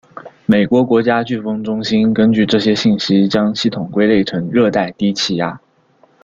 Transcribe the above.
美国国家飓风中心根据这些信息将系统归类成热带低气压。